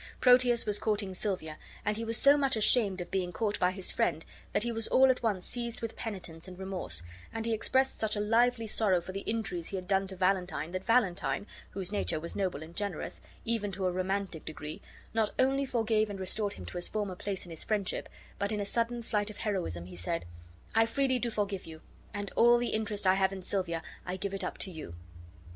Proteus was courting Silvia, and he was so much ashamed of being caught by his friend that he was all at once seized with penitence and remorse; and he expressed such a lively sorrow for the injuries he had done to Valentine that Valentine, whose nature was noble and generous, even to a romantic degree, not only forgave and restored him to his former place in his friendship, but in a sudden flight of heroism he said: "I freely do forgive you; and all the interest I have in Silvia I give it up to you."